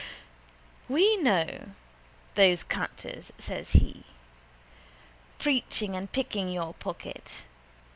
—We know those canters, says he, preaching and picking your pocket.